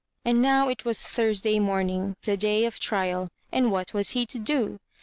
And now it was Thursday morning, the day of trial, and what was he to do?